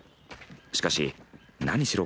しかし何しろ